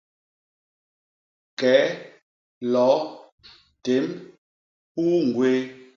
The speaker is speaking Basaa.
Kee, loo, témb, huu ñgwéé.